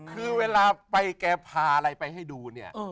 คือเวลาไปแกพาอะไรไปให้ดูเนี่ย